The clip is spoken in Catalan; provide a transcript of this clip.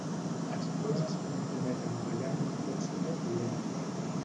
Els dos es comprometen ballant un fox-trot lent.